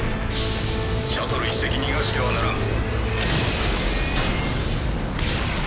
シャトル１隻逃がしてはならん。